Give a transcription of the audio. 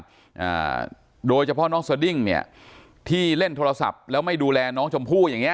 อ่าโดยเฉพาะน้องสดิ้งเนี่ยที่เล่นโทรศัพท์แล้วไม่ดูแลน้องชมพู่อย่างเงี